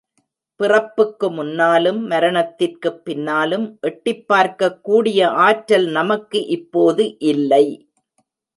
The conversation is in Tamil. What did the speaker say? பிறப்புக்கு முன்னாலும், மரணத்திற்குப் பின்னாலும் எட்டிப் பார்க்கக் கூடிய ஆற்றல் நமக்கு இப்போது இல்லை.